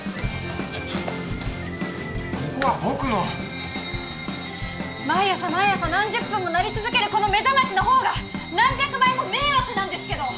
ここは僕の毎朝毎朝何十分も鳴り続けるこの目覚ましの方が何百倍も迷惑なんですけど！